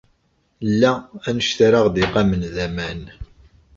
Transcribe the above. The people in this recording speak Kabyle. Nla anect ara aɣ-d-iqamen d aman.